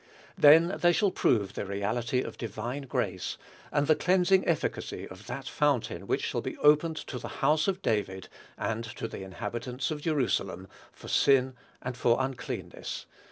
Then they shall prove the reality of divine grace, and the cleansing efficacy of that "fountain which shall be opened to the house of David, and to the inhabitants of Jerusalem, for sin and for uncleanness."